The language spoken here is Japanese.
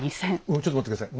ちょっと待って下さい。